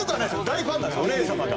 大ファンなんですお姉様が。